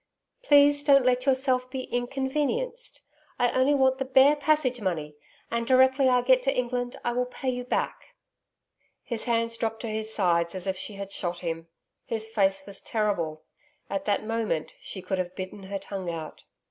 'Please don't let yourself be inconvenienced. I only want the bare passage money. And directly I get to England I will pay you back.' His hands dropped to his sides as if she had shot him. His face was terrible. At that moment, she could have bitten her tongue out.